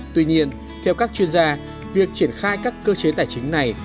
tuy nhiên theo các chuyên gia việc triển khai các cơ chế tài chính này